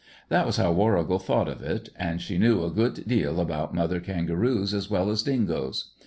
That was how Warrigal thought of it, and she knew a good deal about mother kangaroos as well as dingoes.